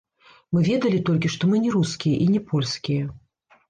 Мы ведалі толькі, што мы не рускія, і не польскія.